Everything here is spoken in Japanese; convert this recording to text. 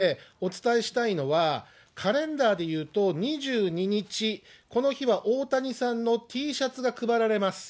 あと、ファンベースでお伝えしたいのは、カレンダーで言うと２２日、この日は大谷さんのＴシャツが配られます。